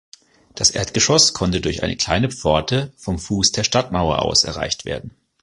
Das Erdgeschoss konnte durch eine kleine Pforte vom Fuß der Stadtmauer aus erreicht werden.